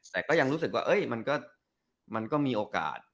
แต่ก็ยังรู้สึกว่ามันก็มีโอกาส